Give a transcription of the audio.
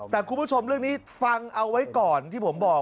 แต่คุณผู้ชมเรื่องนี้ฟังเอาไว้ก่อนที่ผมบอก